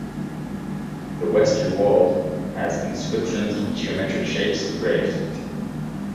The western wall has inscriptions and geometric shapes engraved.